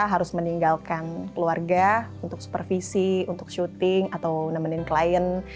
harus meninggalkan keluarga untuk supervisi untuk syuting atau nemenin klien